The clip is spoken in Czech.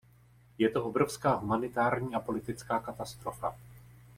Je to obrovská humanitární a politická katastrofa.